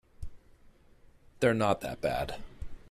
They're not that bad.